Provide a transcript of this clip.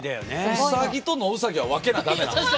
ウサギとノウサギは分けな駄目なんですか？